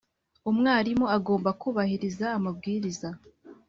Umwarimu agomba kubahiriza amabwiriza